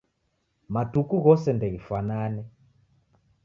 Matuku ghose ndeghifwanane.